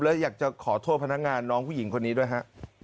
และอยากจะขอโทษพนักงานน้องผู้หญิงคนนี้ด้วยฮะ